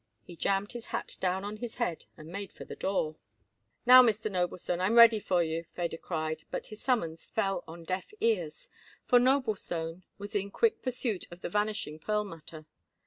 He jammed his hat down on his head and made for the door. "Now, Mr. Noblestone, I am ready for you," Feder cried, but his summons fell on deaf ears, for Noblestone was in quick pursuit of the vanishing Perlmutter.